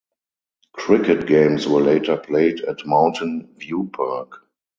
Cricket games were later played at Mountain View Park.